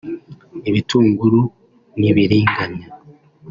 ibitunguru n’ibiringanya